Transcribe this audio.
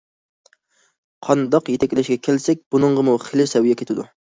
قانداق يېتەكلەشكە كەلسەك بۇنىڭغىمۇ خېلى سەۋىيە كېتىدۇ.